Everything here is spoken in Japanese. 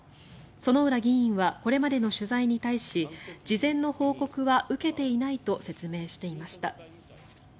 薗浦議員はこれまでの取材に対し事前の報告は受けていないと説明していました。